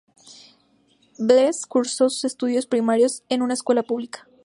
Blest cursó sus estudios primarios en una escuela pública.